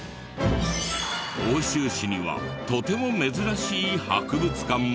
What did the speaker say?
奥州市にはとても珍しい博物館も。